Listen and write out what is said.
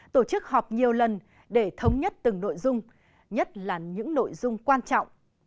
tổ chức họp nhiều lần để thống nhất từng nội dung nhất là những nội dung quan trọng